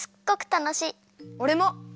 おれも！